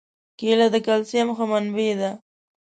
کېله د کلسیم ښه منبع ده.